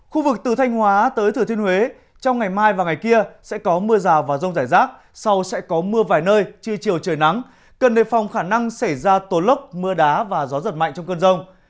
khu vực từ thanh hóa tới thừa thiên huế trong ngày mai và ngày kia sẽ có mưa rào và rông rải rác sau sẽ có mưa vài nơi chưa chiều trời nắng cần đề phòng khả năng xảy ra tố lốc mưa đá và gió giật mạnh trong cơn rông